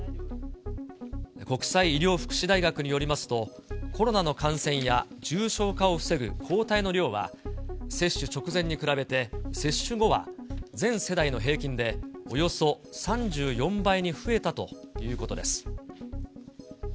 国際医療福祉大学によりますと、コロナの感染や重症化を防ぐ抗体の量は、接種直前に比べて接種後は全世代の平均でおよそ３４倍に増えたということです。